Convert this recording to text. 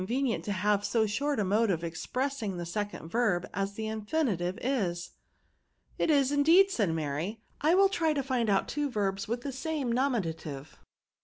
229 venient to have so short a mode of expressing the second verb as the infinitive is." It is indeed/' said Mary ;" I will try to find out two verbs with the same nomiua^ tive."